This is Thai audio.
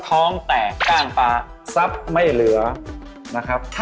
ท้องแตกกล้างปลาทรัพย์ไม่เหลือนะครับ